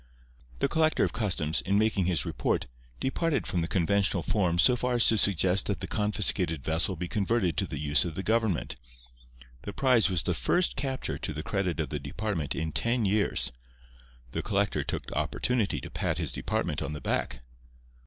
The Collector of Customs, in making his report, departed from the conventional forms so far as to suggest that the confiscated vessel be converted to the use of the government. The prize was the first capture to the credit of the department in ten years. The collector took opportunity to pat his department on the back.